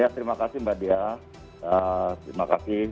terima kasih mbak dea terima kasih